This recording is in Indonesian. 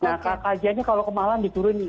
nah kajiannya kalau kemalang diturunin